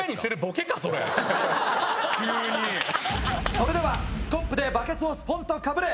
それでは「スコップでバケツをスポンとかぶれ！」。